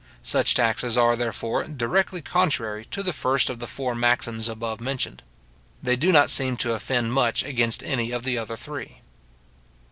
Such taxes are, therefore, directly contrary to the first of the four maxims above mentioned. They do not seem to offend much against any of the other three.